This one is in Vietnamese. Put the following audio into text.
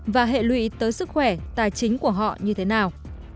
và hệ lụy tới sức khỏe tài chính của họ như thế nào